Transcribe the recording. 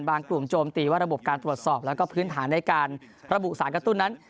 กลุ่มโจมตีว่าระบบการตรวจสอบแล้วก็พื้นฐานในการระบุสารกระตุ้นนั้น